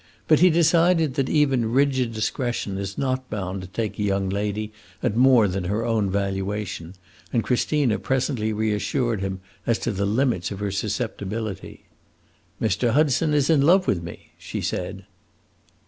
But he decided that even rigid discretion is not bound to take a young lady at more than her own valuation, and Christina presently reassured him as to the limits of her susceptibility. "Mr. Hudson is in love with me!" she said.